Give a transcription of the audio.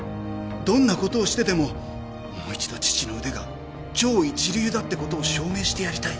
どんな事をしてでももう一度父の腕が超一流だって事を証明してやりたい。